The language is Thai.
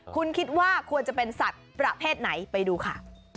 คุณคิดว่าควรจะเป็นสัตว์ประเภทไหนไปดูค่ะ